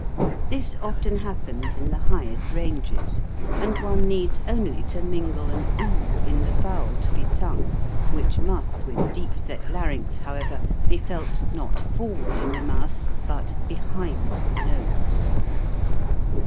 This often happens in the highest ranges, and one needs only to mingle an oo in the vowel to be sung, which must with deep set larynx, however, be felt not forward in the mouth but behind the nose.